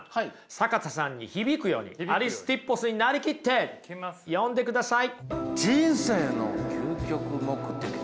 坂田さんに響くようにアリスティッポスに成りきって読んでください。